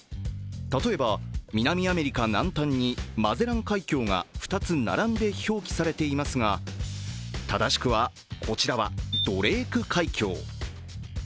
例えば南アメリカ南端にマゼラン海峡が２つ並んで表記されていますが、正しくは、こちらはドレーク海峡。